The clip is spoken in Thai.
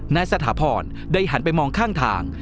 นายสถาพรได้หันไปมองข้างทาง